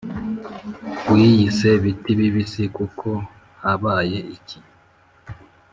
Wiyise biti bibisi kuko habaye iki